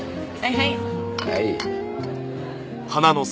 はい。